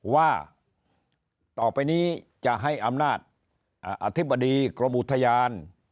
ว่าต่อไปนี้จะให้อำนาจอธิบดีกรมอุทยาน